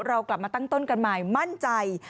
เรากลับมาตั้งต้นกันใหม่มั่นใจ